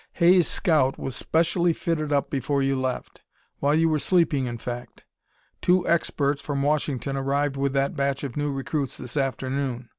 "Hay's scout was specially fitted up before you left; while you were sleeping, in fact. Two experts from Washington arrived with that batch of new recruits this afternoon.